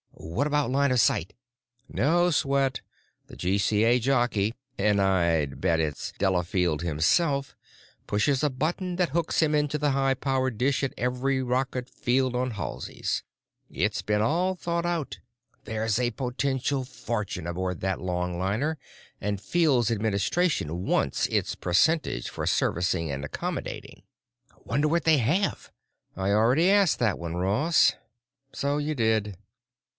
What about line of sight?" "No sweat. The GCA jockey—and I'd bet it's Delafield himself—pushes a button that hooks him into the high power dish at every rocket field on Halsey's. It's been all thought out. There's a potential fortune aboard that longliner and Fields Administration wants its percentage for servicing and accommodating." "Wonder what they have?" "I already asked that one, Ross." "So you did."